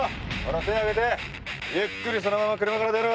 手上げてゆっくりそのまま車から出ろ！